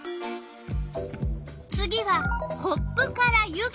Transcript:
次はコップから湯気？